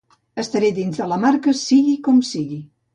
Estaré dins de la marca sigui com sigui.